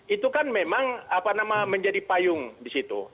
itu kan memang apa nama menjadi payung di situ